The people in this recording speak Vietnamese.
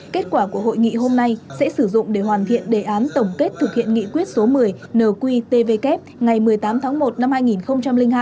kết quả của hội nghị hôm nay sẽ sử dụng để hoàn thiện đề án tổng kết thực hiện nghị quyết số một mươi nqtvk ngày một mươi tám tháng một năm hai nghìn hai